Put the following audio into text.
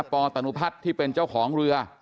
ปตนุพัฒน์ที่เป็นเจ้าของเรือ